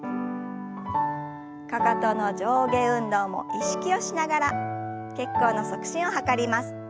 かかとの上下運動も意識をしながら血行の促進を図ります。